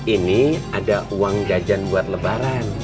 ini ada uang jajan buat lebaran